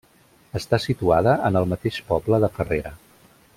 Està situada en el mateix poble de Farrera.